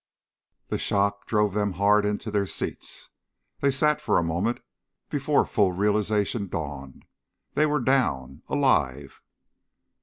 The shock drove them hard into their seats. They sat for a moment before full realization dawned. They were down alive!